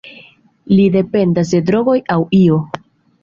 Li dependas de drogoj aŭ io.